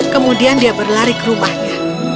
kemudian dia berlari ke rumahnya